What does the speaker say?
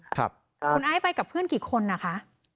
คุณไอซ์ไปกับเพื่อนกี่คนนะคะ